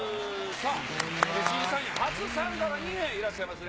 さあ、審査員初参加が２名いらっしゃいますね。